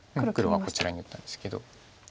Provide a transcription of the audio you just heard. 黒はこちらに打ったんですけど。